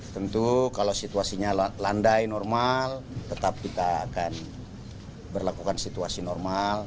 tentu kalau situasinya landai normal tetap kita akan berlakukan situasi normal